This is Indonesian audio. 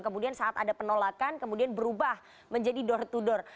kemudian saat ada penolakan kemudian berubah menjadi door to door